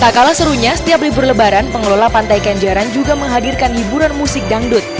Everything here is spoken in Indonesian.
tak kalah serunya setiap beli berlebaran pengelola pantai kejeran juga menghadirkan hiburan musik dangdut